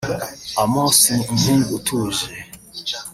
Amos ni umuhungu utuje